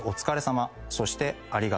そしてありがとう」